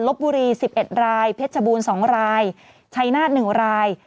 บุรี๑๑รายเพชรบูรณ์๒รายชัยนาธ๑ราย